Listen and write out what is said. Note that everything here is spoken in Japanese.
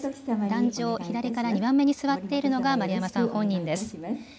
壇上、左から２番目に座っているのが丸山さん本人です。